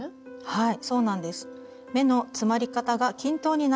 はい。